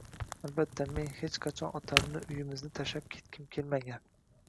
Albatta, men hech qachon, otamni, uyimizni tashlab ketgim kelmagan